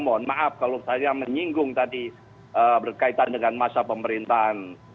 mohon maaf kalau saya menyinggung tadi berkaitan dengan masa pemerintahan